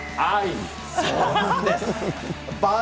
そうなんです。